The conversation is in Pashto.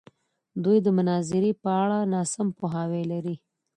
دوی د مناظرې په اړه ناسم پوهاوی لري.